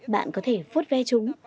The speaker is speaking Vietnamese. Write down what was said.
bạn có thể vút ve chúng